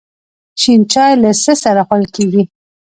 شین چای له څه سره خوړل کیږي؟